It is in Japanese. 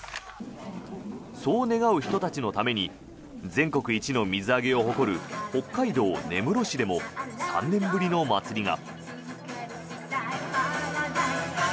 そう願う人たちのために全国一の水揚げを誇る北海道根室市でも３年ぶりの祭りが。